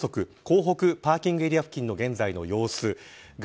港北パーキングエリア付近の現在の様子です。